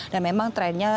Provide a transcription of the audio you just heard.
dan memang trennya